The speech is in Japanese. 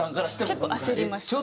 結構焦りました。